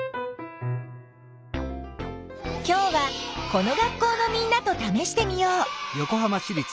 きょうはこの学校のみんなとためしてみよう。